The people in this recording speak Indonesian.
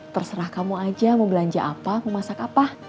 terserah kamu aja mau belanja apa mau masak apa